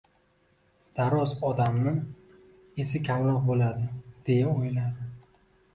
«Daroz odamni esi kamroq bo‘ladi, — deya o‘yladi.